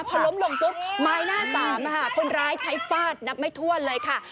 พอล้มลงปุ๊บไม้หน้าสามคนร้ายใช้ฟาดนับไม่ถ้วนเลยค่ะ